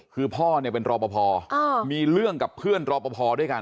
คือพ่อเนี่ยเป็นรอปภมีเรื่องกับเพื่อนรอปภด้วยกัน